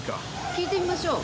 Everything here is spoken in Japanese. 聞いてみましょう。